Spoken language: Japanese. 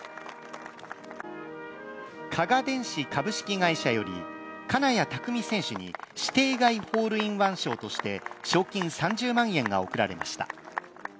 加賀電子株式会社より金谷拓実選手に指定外ホールインワン賞として賞金３０万円が贈られました。